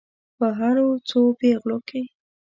په هرو څو پیغلو کې.